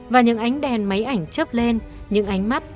và những ánh đèn máy ảnh chấp lên những ánh mắt